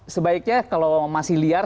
sebaiknya kalau masih liar